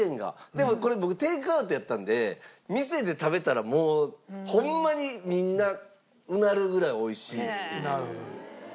でもこれ僕テイクアウトやったんで店で食べたらもうホンマにみんなうなるぐらい美味しいっていう。